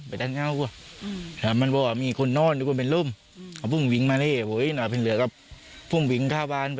รถอิ๊นครับอิ๊นที่ไปไว้ไกลเลยครับหนาเล่นค่ะ